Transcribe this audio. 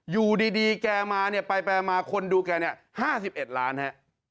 อยู่ดีแกมาเนี่ยไปมาคนดูแกเนี่ย๕๑ล้านฮะ